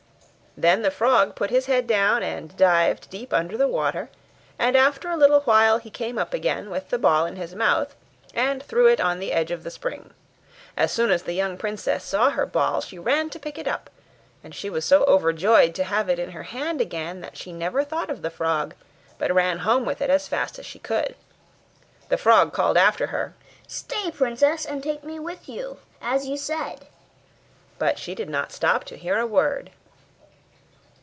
Then the frog put his head down, and dived deep under the water; and after a little while he came up again, with the ball in his mouth, and threw it on the edge of the spring. As soon as the young princess saw her ball, she ran to pick it up; and she was so overjoyed to have it in her hand again, that she never thought of the frog, but ran home with it as fast as she could. The frog called after her, 'Stay, princess, and take me with you as you said,' But she did not stop to hear a word.